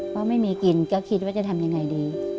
เพราะไม่มีกินก็คิดว่าจะทำยังไงดี